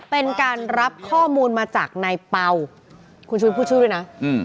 เป็นการรับข้อมูลมาจากนายเป่าคุณชุวิตพูดชื่อด้วยนะอืม